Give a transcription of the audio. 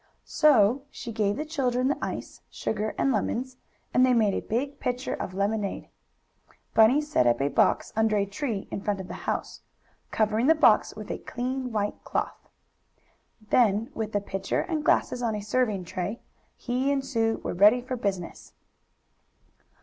So she gave the children the ice, sugar and lemons, and they made a big pitcher of lemonade. Bunny set up a box under a tree in front of the house, covering the box with a clean white cloth. Then with the pitcher and glasses on a serving tray, he and Sue were ready for business.